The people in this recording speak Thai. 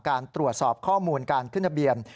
การตรวจสอบข้อมูลการขึ้นทะเบียน